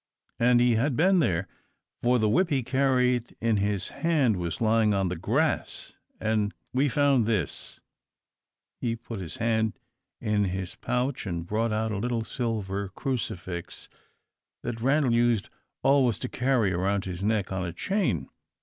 And he had been there, for the whip he carried in his hand was lying on the grass. And we found this." He put his hand in his pouch, and brought out a little silver crucifix, that Randal used always to wear round his neck on a chain.